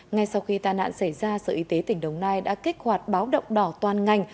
ngay sau khi tàn nạn xảy ra sở y tế tỉnh đồng nai đã kích hoạt báo động đỏ toàn ngành